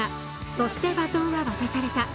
「そして、バトンは渡された」。